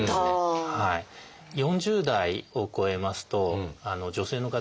４０代を超えますと女性の方